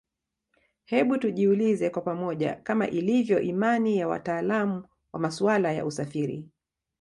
Hebu tujiulize kwa pamoja Kama ilivyo imani ya watalaamu wa masuala ya usafiri